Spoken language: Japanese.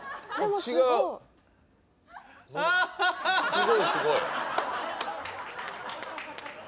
すごいすごい。